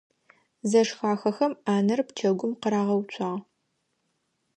Зэшхахэхэм ӏанэр пчэгум къырагъэуцуагъ.